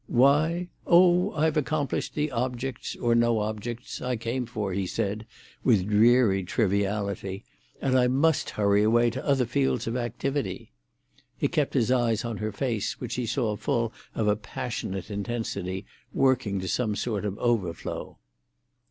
"Why? Oh, I've accomplished the objects—or no objects—I came for," he said, with dreary triviality, "and I must hurry away to other fields of activity." He kept his eyes on her face, which he saw full of a passionate intensity, working to some sort of overflow.